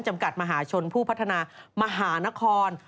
จำกัดมหาชนผู้พัฒนามหานคร